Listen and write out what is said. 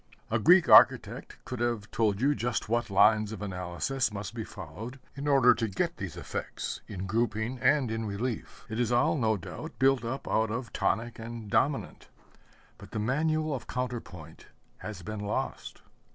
A Greek architect could have told you just what lines of analysis must be followed in order to get these effects in grouping and in relief. It is all, no doubt, built up out of tonic and dominant but the manual of counter point has been lost.